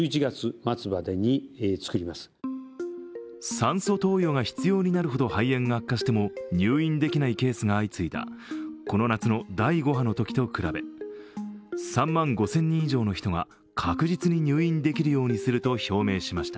酸素投与が必要になるほど肺炎が悪化しても入院できないケースが相次いだ、この夏の第５波のときと比べ３万５０００人以上の人が確実に入院できるようにすると表明しました。